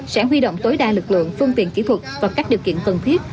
sẽ huy động tối đa lực lượng phương tiện kỹ thuật và các điều kiện cần thiết